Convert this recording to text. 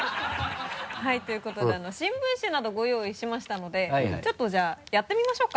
はいということで新聞紙などご用意しましたのでちょっとじゃあやってみましょうか。